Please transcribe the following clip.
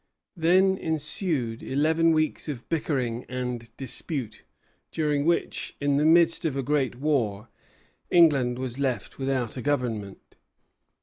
Then ensued eleven weeks of bickering and dispute, during which, in the midst of a great war, England was left without a government.